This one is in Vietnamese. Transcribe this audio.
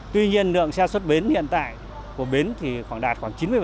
tuy nhiên lượng xe xuất bến hiện tại của bến thì khoảng đạt khoảng chín mươi